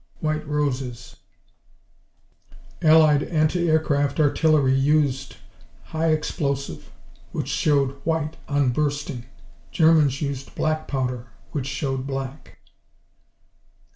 White roses Allied anti aircraft artillery used high explosive, which showed white on bursting. Germans used black powder, which showed black.